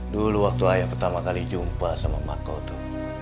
dulu waktu ayah pertama kali jumpa sama mako itu